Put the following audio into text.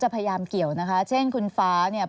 จัดพยายามเกี่ยวอย่างคุณฟ้าใช้คำ